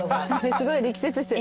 すごい力説して。